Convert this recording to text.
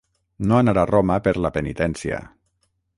No anar a Roma per la penitència.